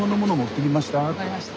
分かりました。